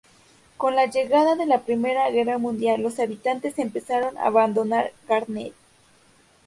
Con la llegada de la Primera Guerra Mundial los habitantes empezaron a abandonar Garnet.